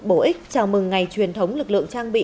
bổ ích chào mừng ngày truyền thống lực lượng trang bị